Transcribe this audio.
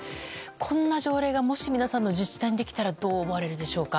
こんな条例が皆さんの自治体にできたらどう思われるでしょうか。